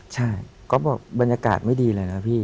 ใช่ก็บอกบรรยากาศไม่ดีเลยนะพี่